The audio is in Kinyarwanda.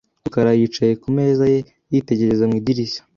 rukara yicaye ku meza ye, yitegereza mu idirishya .